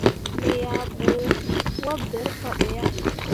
Me yah bu waaberre fah be yah.